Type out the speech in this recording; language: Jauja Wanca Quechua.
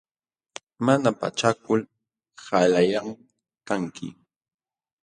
Mana pachakul qalallam kanki.